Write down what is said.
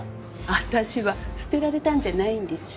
私は捨てられたんじゃないんですぅ。